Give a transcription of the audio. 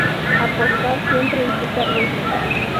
Apostar siempre implica riesgos.